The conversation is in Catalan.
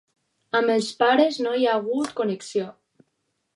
Amb els pares no hi ha hagut connexió.